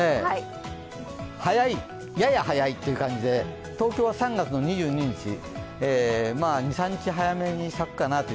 早い、やや早いという感じで、東京は３月の２２日、２３日早めに咲くかなと。